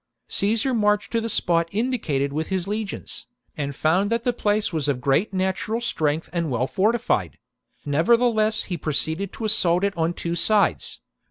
Caesar marched to the spot indicated with his legions, and found that the place was of great natural strength and well fortified ; nevertheless he proceeded to assault it on two sides.